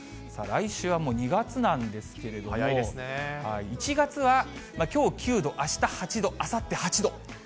来週はもう２月なんですけれども、一月は、きょう９度、あした８度、あさって８度。